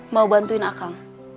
mau bantuin akang